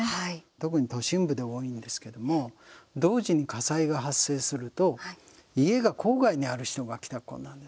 特に都心部で多いんですけども同時に火災が発生すると家が郊外にある人が帰宅困難です。